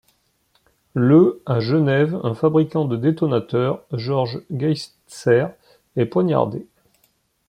Le à Genève, un fabricant de détonateurs, Georges Geitser, est poignardé.